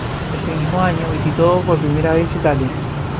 Ese mismo año visitó por primera vez Italia.